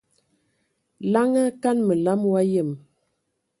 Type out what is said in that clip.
Laŋa kan məlam wa yəm.